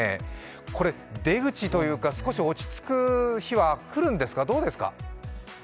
これ出口というか少し落ち着く日は来るんですか、どうですか？